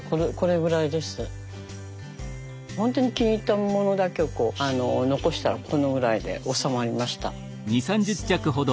本当に気に入ったものだけを残したらこのぐらいで収まりました。